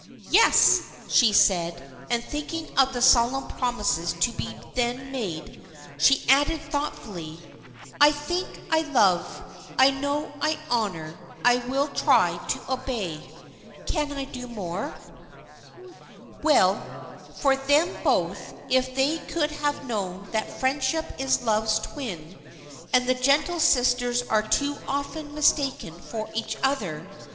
"Yes," she said, and thinking of the solemn promises to be then made, she added, thoughtfully, "I think I love, I know I honor, I will try to obey. Can I do more?" Well for them both if they could have known that friendship is love's twin, and the gentle sisters are too often mistaken for each other.